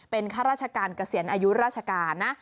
เป็นข้าราชการเกษียณอายุราชการนะ